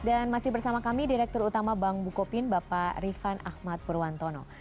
dan masih bersama kami direktur utama bank bukopin bapak rifan ahmad purwantono